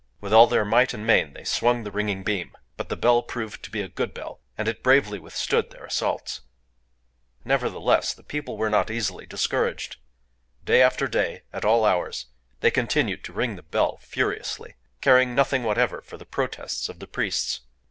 With all their might and main they swung the ringing beam; but the bell proved to be a good bell, and it bravely withstood their assaults. Nevertheless, the people were not easily discouraged. Day after day, at all hours, they continued to ring the bell furiously,—caring nothing whatever for the protests of the priests.